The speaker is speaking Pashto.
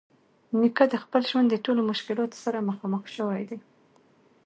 نیکه د خپل ژوند د ټولو مشکلاتو سره مخامخ شوی دی.